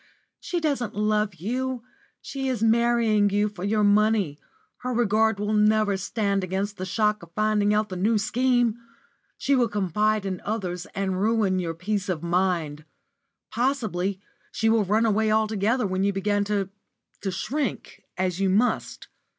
She doesn't love you. She is marrying you for your money. Her regard will never stand against the shock of finding out the New Scheme. She will confide in others and ruin your peace of mind. Possibly she will run away altogether when you begin to to shrink, as you must.